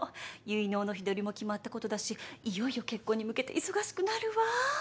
結納の日取りも決まったことだしいよいよ結婚に向けて忙しくなるわ。